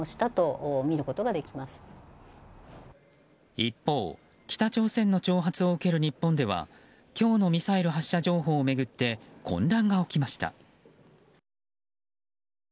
一方、北朝鮮の挑発を受ける日本では今日のミサイル発射情報を巡って混乱が起きました。